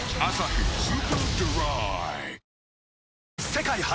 世界初！